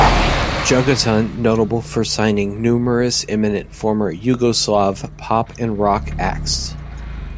Jugoton notable for signing numerous eminent former Yugoslav pop and rock acts.